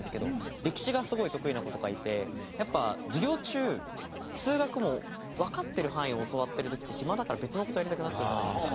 歴史がすごい得意な子とかいてやっぱ授業中数学もう分かってる範囲を教わってる時って暇だから別のことやりたくなっちゃうじゃないですか。